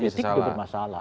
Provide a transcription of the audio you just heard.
tapi etik itu bermasalah